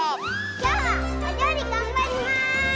きょうはおりょうりがんばります！